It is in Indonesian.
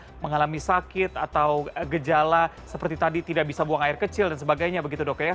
apakah mengalami sakit atau gejala seperti tadi tidak bisa buang air kecil dan sebagainya begitu dok ya